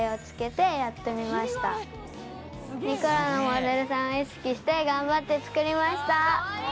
『ニコラ』のモデルさんを意識して頑張って作りました！